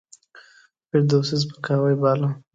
فردوسي سپکاوی باله.